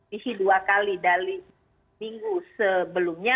diisi dua kali dari minggu sebelumnya